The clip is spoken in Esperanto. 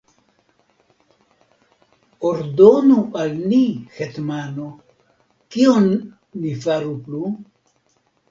Ordonu al ni, hetmano, kion ni faru plu?